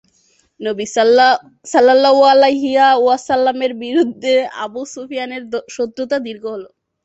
নবী সাল্লাল্লাহু আলাইহি ওয়াসাল্লামের বিরুদ্ধে আবু সুফিয়ানের শত্রুতা দীর্ঘ হল।